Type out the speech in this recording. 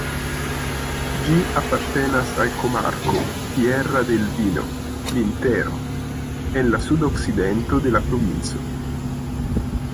Ĝi apartenas al komarko "Tierra del Vino" (Vintero) en la sudokcidento de la provinco.